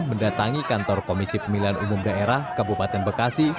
mendatangi kantor komisi pemilihan umum daerah kabupaten bekasi